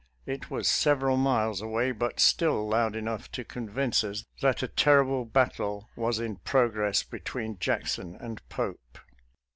It was several miles away, but still loud enough to convince us that a terrible battle was in progress between Jackson and Pope.